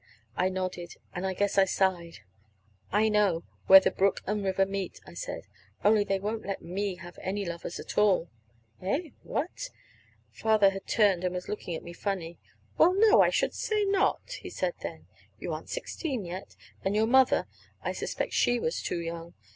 I nodded, and I guess I sighed. "I know where the brook and river meet," I said; "only they won't let me have any lovers at all." "Eh? What?" Father had turned and was looking at me so funny. "Well, no, I should say not," he said then. "You aren't sixteen yet. And your mother I suspect she was too young.